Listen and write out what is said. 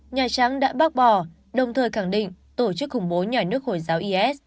nhà trắng đã bác bỏ đồng thời khẳng định tổ chức khủng bố nhà nước hồi giáo is